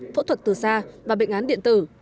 phẫu thuật từ xa và bệnh án điện tử